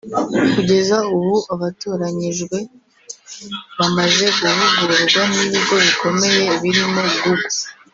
Kugeza ubu abatoranyijwe bamaze guhugurwa n’ibigo bikomeye birimo google